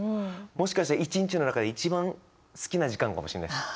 もしかして１日の中で一番好きな時間かもしれないです。